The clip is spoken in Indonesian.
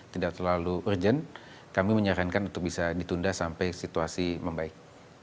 tidak terlalu urgent kami menyarankan untuk bisa ditunda sampai situasi membaik